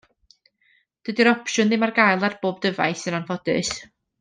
Dydy'r opsiwn ddim ar gael ar bob dyfais, yn anffodus.